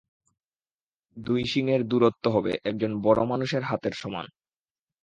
দুই শিং এর দূরত্ব হবে একজন বড় মানুষের হাতের সমান।